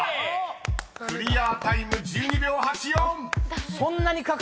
［クリアタイム１２秒８４］